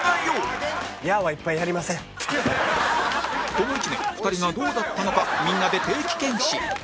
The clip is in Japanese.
この１年２人がどうだったのかみんなで定期検診